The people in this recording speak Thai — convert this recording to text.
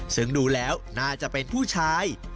ซึ่งดูแล้วน่าจะเป็นผู้ชาย